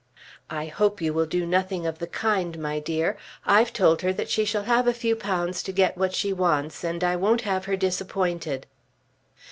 "I hope you will do nothing of the kind, my dear. I've told her that she shall have a few pounds to get what she wants, and I won't have her disappointed."